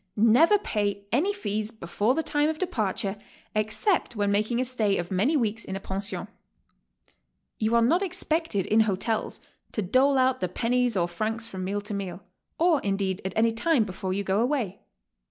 Never pay any fees before the time of departure except when making a stay of man y weeks in a pension. You are not expected in hotels to dole out the pennies or francs from meal to meal, or, indeed, at any time before you go awtay.